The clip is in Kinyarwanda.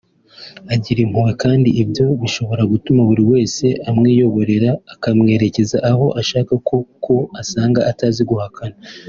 Agira impuhwe kandi ibyo bishobora gutuma buri wese amwiyoborera akamwerekeza aho ashaka kuko usanga atazi guhakana